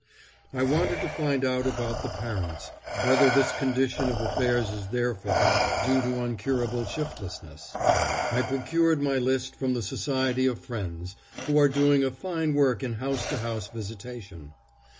I wanted to find out about the parents—whether this condition of affairs is their fault, due to uncurable shiftlessness. I procured my list from the Society of Friends, who are doing a fine work in house to house visitation.